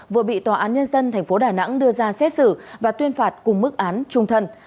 vừa bị tòa án nhân dân tp đà nẵng đưa ra xét xử và tuyên phạt cùng mức án trung thân